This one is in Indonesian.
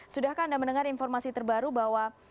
sudahkah anda mendengar informasi terbaru bahwa